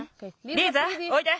リーザおいで！